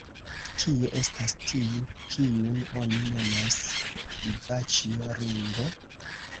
Kie estas tiu, kiun oni nomas Ivaĉjo Ringo?